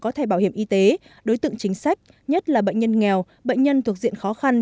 có thể bảo hiểm y tế đối tượng chính sách nhất là bệnh nhân nghèo bệnh nhân thuộc diện khó khăn